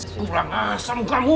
kurang asam kamu